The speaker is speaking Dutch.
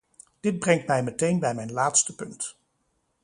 Dit brengt mij meteen bij mijn laatste punt.